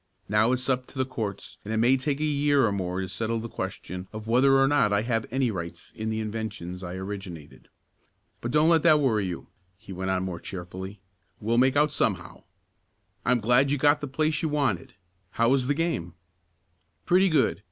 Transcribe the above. Now it's up to the courts, and it may take a year or more to settle the question of whether or not I have any rights in the inventions I originated. But don't let that worry you," he went on more cheerfully. "We'll make out somehow. I'm glad you got the place you wanted. How was the game?" "Pretty good.